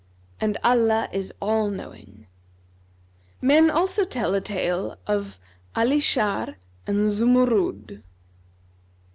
And Allah is All knowing.[FN#253] Men also tell a tale of ALI SHAR[FN#254] AND ZUMURRUD.